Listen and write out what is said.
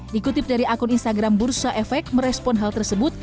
dikutip dari akun instagram bursa efek merespon hal tersebut